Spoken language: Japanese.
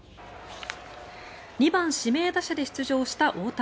２番指名打者で出場した大谷。